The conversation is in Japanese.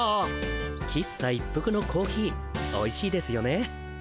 喫茶一服のコーヒーおいしいですよね。